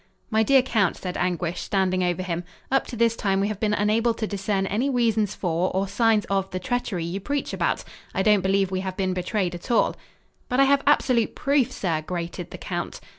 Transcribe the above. "My dear count," said Anguish, standing over him, "up to this time we have been unable to discern any reasons for or signs of the treachery you preach about. I don't believe we have been betrayed at all." "But I have absolute proof, sir," grated the count.